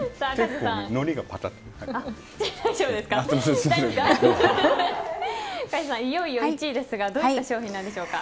梶田さん、いよいよ１位ですがどういった商品なんでしょうか？